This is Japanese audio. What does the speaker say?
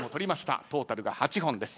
トータルが８本です。